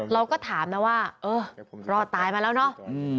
เราก็ถามนะว่าเออรอดตายมาแล้วเนาะ